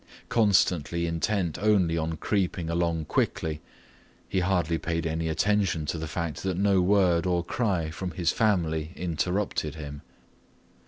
Constantly intent only on creeping along quickly, he hardly paid any attention to the fact that no word or cry from his family interrupted him.